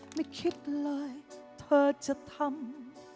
ไม่คิดเลยเธอจะทำ